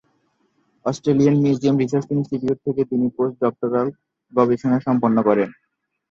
Australian museum research institute থেকে তিনি post doctoral গবেষণা সম্পন্ন করেন।